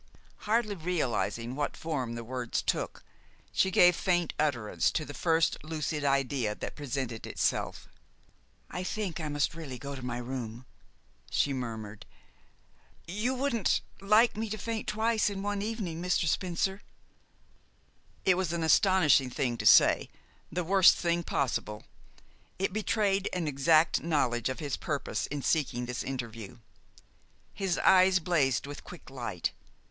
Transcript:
Hardly realizing what form the words took, she gave faint utterance to the first lucid idea that presented itself. "I think I must really go to my room," she murmured. "You wouldn't like me to faint twice in one evening Mr. Spencer?" It was an astonishing thing to say, the worst thing possible. It betrayed an exact knowledge of his purpose in seeking this interview. His eyes blazed with a quick light.